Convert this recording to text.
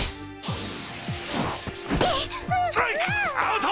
アウト！